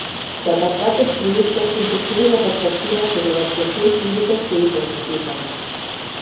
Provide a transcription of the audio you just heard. Detectar aquests productes proporciona una perspectiva sobre les qüestions físiques que hi participen.